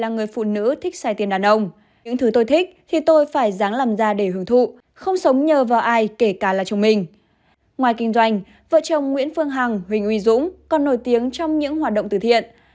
ngoài kinh doanh vợ chồng nguyễn phương hằng huỳnh uy dũng còn nổi tiếng trong những hoạt động từ thiện